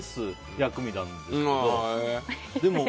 薬味なんですけど。